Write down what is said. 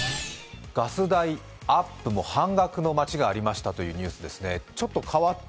ガス代アップも半額の町がありましたというニュースがありました。